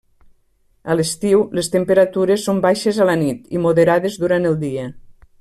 A l'estiu les temperatures són baixes a la nit i moderades durant el dia.